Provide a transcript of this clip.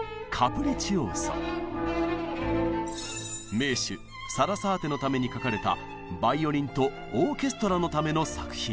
名手サラサーテのために書かれたバイオリンとオーケストラのための作品です。